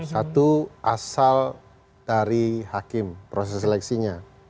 satu asal dari hakim proses seleksinya